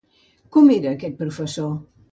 Com era aquest professor?